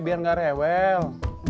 biar nggak rewel